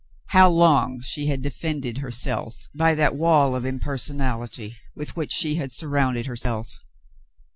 How long she had defended herself by that wall of impersonality w^ith which she had surrounded herself